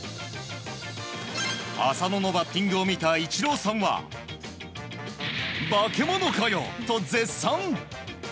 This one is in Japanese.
浅野のバッティングを見たイチローさんはバケモノかよ！と絶賛。